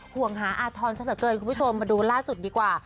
ห่วงหาอาทรซะเหลือเกินคุณผู้ชมมาดูล่าสุดดีกว่า